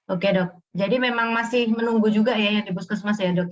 oke dok jadi memang masih menunggu juga ya yang di puskesmas ya dok